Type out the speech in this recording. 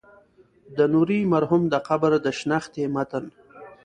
د نوري مرحوم د قبر د شنختې متن.